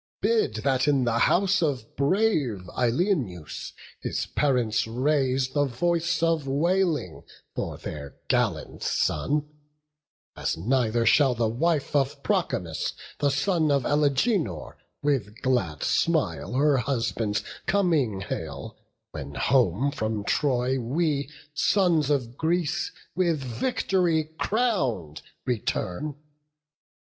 bid that in the house Of brave Ilioneus his parents raise The voice of wailing for their gallant son; As neither shall the wife of Promachus, The son of Alegenor, with glad smile Her husband's coming hail, when home from Troy We sons of Greece, with vict'ry crown'd, return."